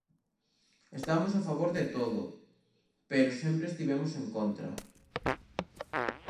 Estamos a favor de todo, pero sempre estivemos en contra.